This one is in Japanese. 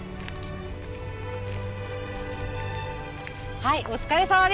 はいお疲れさまでした。